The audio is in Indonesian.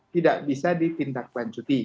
tidak bisa ditindaklanjuti